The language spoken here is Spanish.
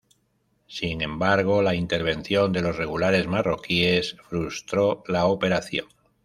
Sin embargo, la intervención de los regulares marroquíes frustró la operación.